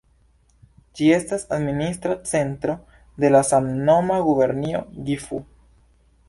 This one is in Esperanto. Ĝi estas administra centro de la samnoma gubernio Gifu.